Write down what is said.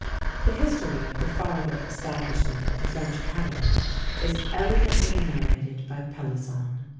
The history of the farther establishment of the French Academy is elegantly narrated by Pelisson.